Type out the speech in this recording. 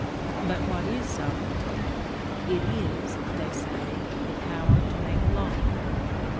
But what is sovereignty? It is, they say, the POWER TO MAKE LAW.